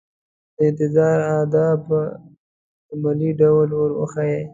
د انتظار آداب په عملي ډول ور وښيي.